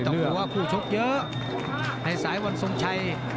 ไม่ต้องหัวคู่ชกเยอะให้สายฝันส่วนชาย